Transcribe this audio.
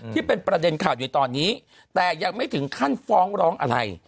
ที่เป็นประเด็นข่าวอยู่ตอนนี้แต่ยังไม่ถึงขั้นฟ้องร้องอะไร